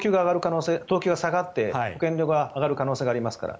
等級が下がって保険料が上がる可能性がありますから。